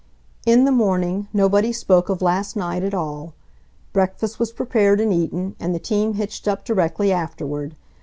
In the morning, nobody spoke of last night at all. Breakfast was prepared and eaten, and the team hitched up directly afterward.